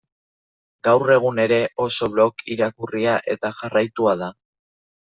Gaur egun ere, oso blog irakurria eta jarraitua da.